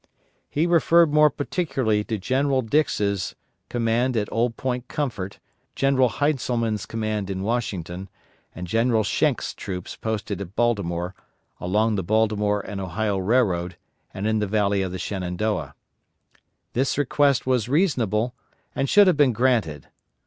He referred more particularly to General Dix's command at Old Point Comfort, General Heintzelman's command in Washington, and General Schenck's troops posted at Baltimore, along the Baltimore and Ohio Railroad and in the Valley of the Shenandoah. This request was reasonable and should have been granted.